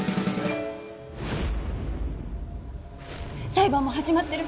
裁判も始まってる。